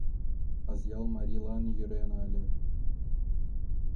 Азъял марийлан йӧрена ыле.